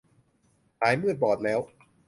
หายมืดบอดแล้ว